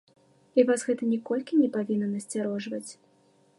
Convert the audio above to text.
І вас гэта ніколькі не павінна насцярожваць.